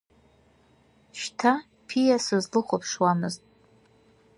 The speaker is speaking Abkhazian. Шьҭа ԥиа сызлыхәаԥшуамызт.